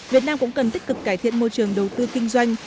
việt nam cũng cần tích cực cải thiện môi trường đầu tư kinh doanh